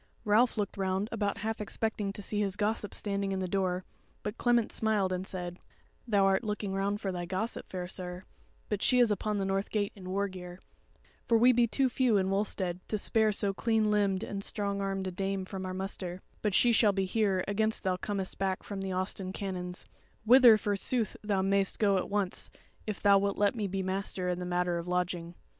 Ralph looked round about half expecting to see his gossip standing in the door; but Clement smiled and said: "Thou art looking round for thy gossip, fair sir; but she is upon the north gate in war gear; for we be too few in Wulstead to spare so clean limbed and strong armed a dame from our muster; but she shall be here against thou comest back from the Austin Canons, wither forsooth thou mayst go at once if thou wilt let me be master in the matter of lodging."